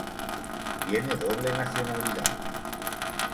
Tiene doble nacionalidad.